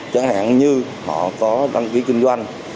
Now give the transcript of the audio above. chẳng hạn như họ có đăng ký kinh doanh